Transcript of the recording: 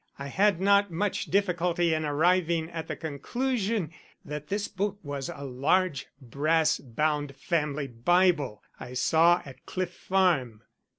I had not much difficulty in arriving at the conclusion that this book was a large brass bound family Bible I saw at Cliff Farm."